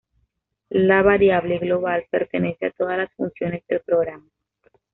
La variable global pertenece a todas las funciones del programa.